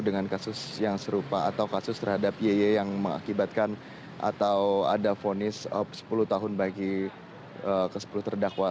dengan kasus yang serupa atau kasus terhadap yeye yang mengakibatkan atau ada fonis sepuluh tahun bagi ke sepuluh terdakwa